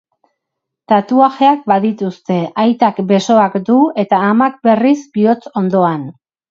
Tatuajeak badituzte, aitak besoak du eta amak, berriz, bihotz ondoan.